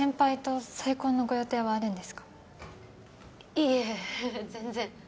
いえ全然。